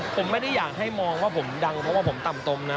ผมไม่ได้อยากให้มองว่าผมดังเพราะว่าผมต่ำตมนะ